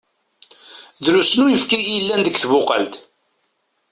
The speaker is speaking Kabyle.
Drusn uyefki i yellan deg tbuqalt.